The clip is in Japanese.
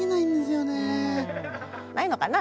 ないのかな？